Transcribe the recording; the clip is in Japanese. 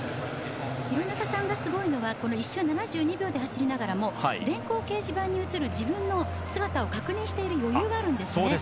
廣中さんがすごいのは１周７２秒で走りながらも電光掲示板に映る自分の姿を確認している余裕があるんですよね。